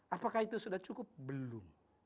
apakah itu sudah cukup belum